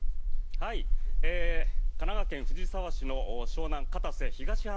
神奈川県藤沢市の湘南・片瀬東浜